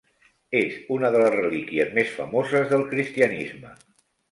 És una de les relíquies més famoses del cristianisme.